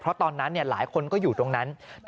เพราะตอนนั้นหลายคนก็อยู่ตรงนั้น